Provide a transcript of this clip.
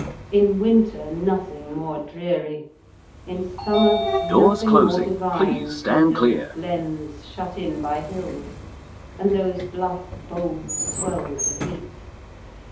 In winter nothing more dreary, in summer nothing more divine, than those glens shut in by hills, and those bluff, bold swells of heath.